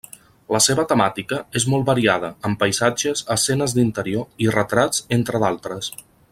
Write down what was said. La seva temàtica és molt variada, amb paisatges, escenes d'interior, i retrats, entre d'altres.